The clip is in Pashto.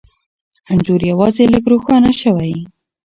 انځور یوازې لږ روښانه شوی،